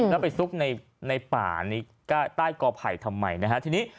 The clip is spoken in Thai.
แล้วไปสุกในป่าใต้กอไผ่ทำไมนะครับ